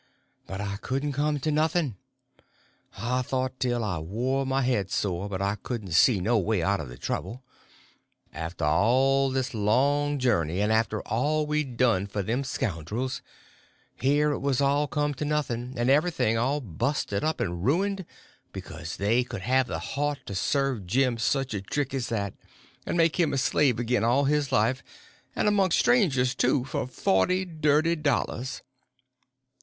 But I couldn't come to nothing. I thought till I wore my head sore, but I couldn't see no way out of the trouble. After all this long journey, and after all we'd done for them scoundrels, here it was all come to nothing, everything all busted up and ruined, because they could have the heart to serve Jim such a trick as that, and make him a slave again all his life, and amongst strangers, too, for forty dirty dollars.